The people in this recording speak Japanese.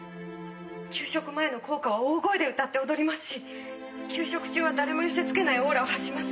給食前の校歌は大声で歌って踊りますし給食中は誰も寄せ付けないオーラを発します。